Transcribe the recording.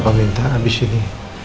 bapak minta abis ini